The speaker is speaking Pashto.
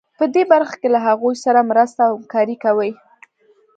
په دې برخه کې له هغوی سره مرسته او همکاري کوي.